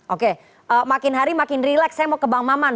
oke makin hari makin relax saya mau ke bang maman